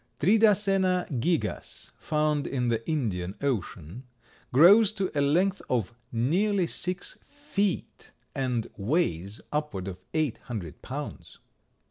Tridacena gigas, found in the Indian Ocean, grows to a length of nearly six feet and weighs upwards of eight hundred pounds.